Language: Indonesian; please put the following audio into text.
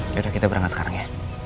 yaudah kita berangkat sekarang ya